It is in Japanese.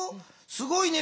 すごいね。